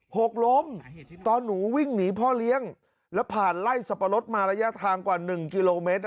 หกล้มตอนหนูวิ่งหนีพ่อเลี้ยงแล้วผ่านไล่สับปะรดมาระยะทางกว่าหนึ่งกิโลเมตร